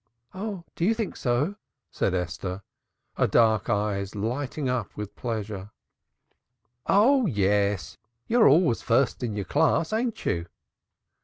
"Oh, do you think so?" said Esther, her dark eyes lighting up with pleasure. "Oh yes, you're always first in your class, ain't you?"